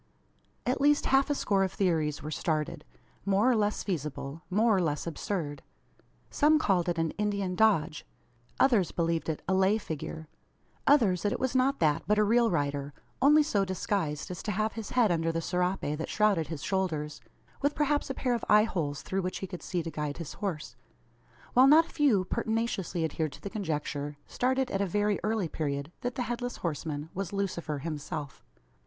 At least half a score of theories were started more or less feasible more or less absurd. Some called it an "Indian dodge;" others believed it a "lay figure;" others that it was not that, but a real rider, only so disguised as to have his head under the serape that shrouded his shoulders, with perhaps a pair of eye holes through which he could see to guide his horse; while not a few pertinaciously adhered to the conjecture, started at a very early period, that the Headless Horseman was Lucifer himself!